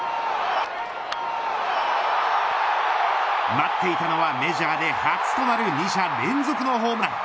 待っていたのはメジャーで初となる２者連続のホームラン。